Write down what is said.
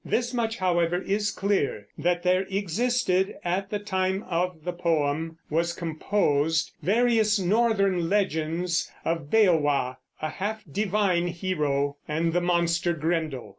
This much, however, is clear, that there existed, at the time the poem was composed, various northern legends of Beowa, a half divine hero, and the monster Grendel.